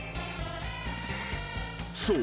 ［そう。